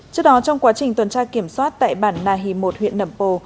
trước đó trong quá trình tuần tra kiểm soát tại bản na hì một huyện nậm pồ